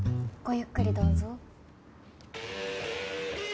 ゆっくりどうぞ。